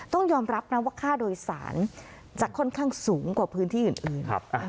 ต้องยอมรับนะว่าค่าโดยสารจะค่อนข้างสูงกว่าพื้นที่อื่น